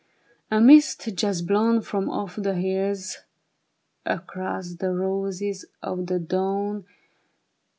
" A mist just blown from off the hills Across the roses of the dawn.